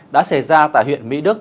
đã xảy ra tại huyện mỹ đức